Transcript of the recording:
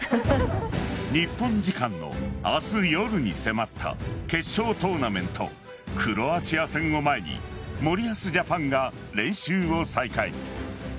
日本時間の明日夜に迫った決勝トーナメントクロアチア戦を前に森保ジャパンが練習を再開。